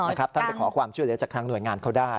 ท่านไปขอความช่วยเหลือจากทางหน่วยงานเขาได้